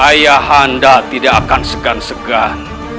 ayah anda tidak akan segan segan